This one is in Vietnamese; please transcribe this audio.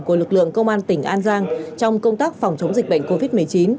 của lực lượng công an tỉnh an giang trong công tác phòng chống dịch bệnh covid một mươi chín